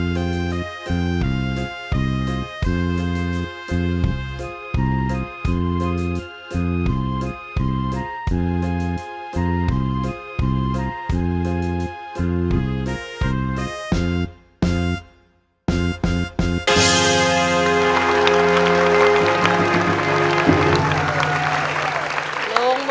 โปรดติดตามตอนต่อไป